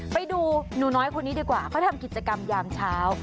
ไปดูหนูน้อยคนนี้ดีกว่าเขาทำกิจกรรมยามเช้า